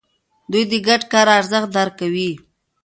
دوی د ګډ کار ارزښت درک کوي.